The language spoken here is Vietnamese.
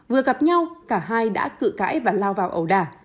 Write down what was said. vừa gặp nhau cả hai đã cự cãi và lao vào ẩu đà